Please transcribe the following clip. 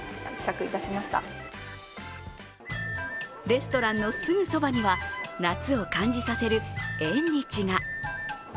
レストランのすぐそばには夏を感じさせる縁日が。